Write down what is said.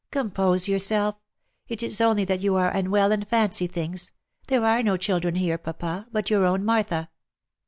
" Compose yourself! It is only that you are unwell and fancy things. There are no children here, papa, but your own Martha."